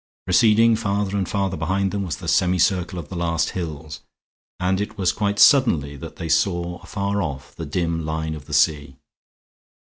Receding farther and farther behind them was the semicircle of the last hills; and it was quite suddenly that they saw afar off the dim line of the sea.